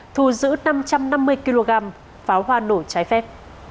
thu giữ năm trăm năm mươi kg pháo hoa nổ trái phép